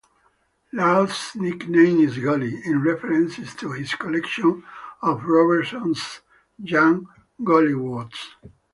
Laud's nickname is "Golly", in reference to his collection of Robertson's jam golliwoggs.